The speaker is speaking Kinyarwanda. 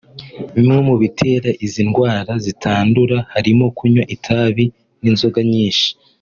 Bimwe mu bitera izi ndwara zitandura harimo kunywa itabi n’inzoga nyinshi